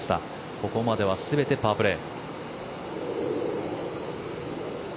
ここまでは全てパープレー。